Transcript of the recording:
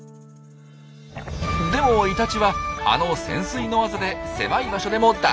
でもイタチはあの潜水のワザで狭い場所でも大丈夫。